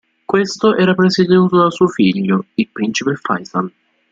Questo era presieduto da suo figlio, il principe Faysal.